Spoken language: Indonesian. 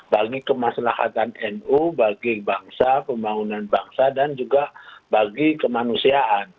bagi kemaslahatan nu bagi bangsa pembangunan bangsa dan juga bagi kemanusiaan